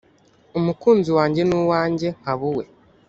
umukunzi wanjye ni uwanjye nanjye nkaba uwe .